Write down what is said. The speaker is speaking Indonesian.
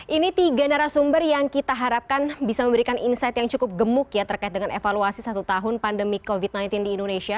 ini tiga narasumber yang kita harapkan bisa memberikan insight yang cukup gemuk ya terkait dengan evaluasi satu tahun pandemi covid sembilan belas di indonesia